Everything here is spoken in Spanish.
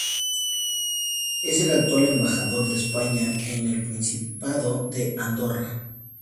Es el actual Embajador de España en el Principado de Andorra.